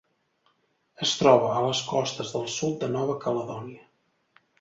Es troba a les costes del sud de Nova Caledònia.